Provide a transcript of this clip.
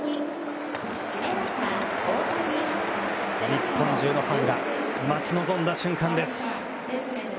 日本中のファンが待ち望んだ瞬間です。